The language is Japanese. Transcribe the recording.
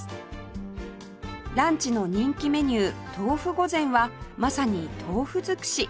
ランチの人気メニュー豆腐御膳はまさに豆腐づくし